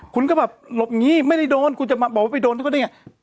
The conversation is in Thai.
คุณก็แบบหลบหนีไม่ได้โดนคุณจะมาบอกว่าไปโดนเขาได้ไง